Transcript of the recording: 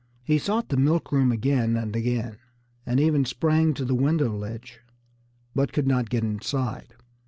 He sought the milk room again and again, and even sprang to the window ledge, but could not get inside.